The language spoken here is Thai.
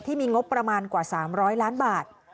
ที่มีงบประมาณกว่า๓๐๐ล้านบาท